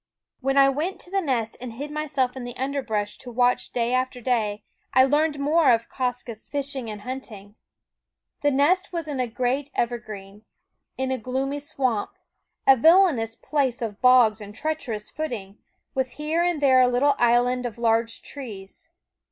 When I went to the nest and hid myself in the underbrush to watch day after day, ;,,: I learned more of Quoskh's fishing 187 Quoskh ffie JteenEyecf 1 88 Quoskh Keenfyed SCHOOL OF and hunting. The nest was in a great ever green, in a gloomy swamp, a villainous place of bogs and treacherous footing, with here and there a little island of large trees.